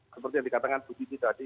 seperti yang dikatakan bu titi tadi